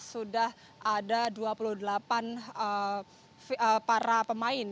sudah ada dua puluh delapan para pemain